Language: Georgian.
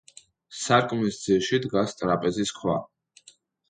სარკმლის ძირში დგას ტრაპეზის ქვა.